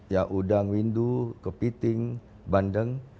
ya udang windu kepiting bandeng